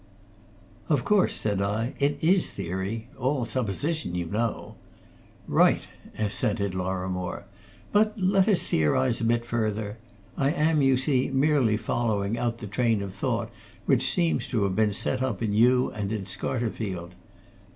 "Of course," said I, "it is theory! All supposition, you know." "Right!" assented Lorrimore. "But let us theorise a bit further I am, you see, merely following out the train of thought which seems to have been set up in you and in Scarterfield.